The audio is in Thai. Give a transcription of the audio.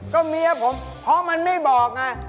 ก็เมียผมเพราะมันไม่บอกไง